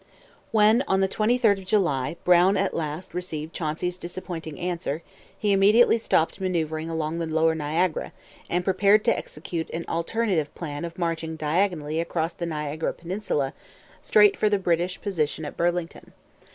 When, on the 23rd of July, Brown at last received Chauncey's disappointing answer, he immediately stopped manoeuvring along the lower Niagara and prepared to execute an alternative plan of marching diagonally across the Niagara peninsula straight for the British position at Burlington.